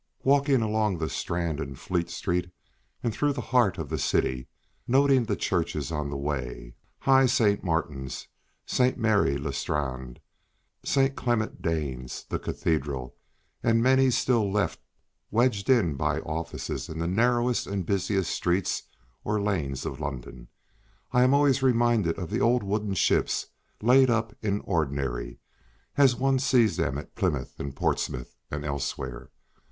Walking along the Strand and Fleet Street and through the heart of the City, noting the churches on the way—high St. Martin's, St. Mary le Strand, St. Clement Danes, the Cathedral, and the many still left wedged in by offices in the narrowest and busiest streets, or lanes of London—I am always reminded of the old wooden ships laid up "in ordinary," as one sees them at Plymouth and Portsmouth, and elsewhere.